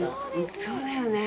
そうだよね。